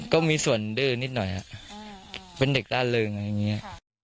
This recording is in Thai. ก็มีส่วนดื้อนิดหน่อยเป็นเด็กร่าเริงอะไรอย่างนี้